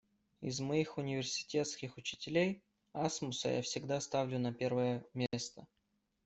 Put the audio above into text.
Из моих университетских учителей, Асмуса я всегда ставлю на первое место.